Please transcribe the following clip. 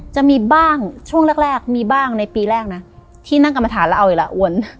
จะมีบ้างช่วงแรกมีบ้างในปีแรกนะที่นั่งกรรมฐานแล้วเอาอีกแล้วอวน